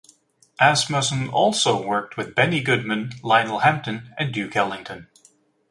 Asmussen also worked with Benny Goodman, Lionel Hampton, and Duke Ellington.